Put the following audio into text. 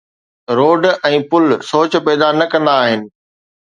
Road ۽ پل سوچ پيدا نه ڪندا آهن.